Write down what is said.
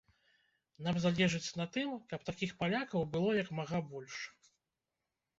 Нам залежыць на тым, каб такіх палякаў было як мага больш.